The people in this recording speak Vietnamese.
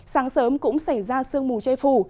sáng sớm cũng xảy ra sương mù chây phủ